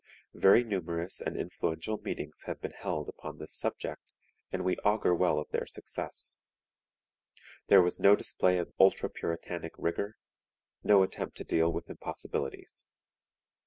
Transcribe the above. Very numerous and influential meetings have been held upon this subject, and we augur well of their success. There was no display of ultra Puritanic rigor, no attempt to deal with impossibilities.